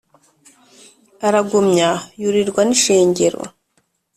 aragumya yurirwa n' ishengero